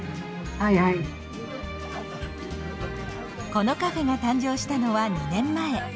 このカフェが誕生したのは２年前。